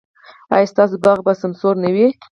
ایا ستاسو باغ به سمسور نه وي؟